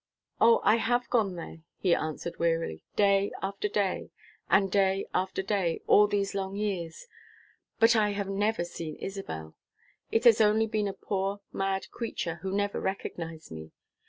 "O, I have gone there," he answered wearily, "day after day, and day after day, all these long years; but I have never seen Isabel. It has only been a poor, mad creature, who never recognized me.